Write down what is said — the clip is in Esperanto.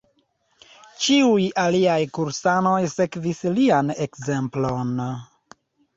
Ĉiuj aliaj kursanoj sekvis lian ekzemplon.